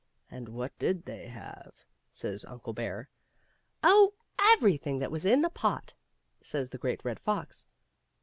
"And what did they have?" says Uncle Bear. " Oh, everything that was in the pot," says the Great Red Fox.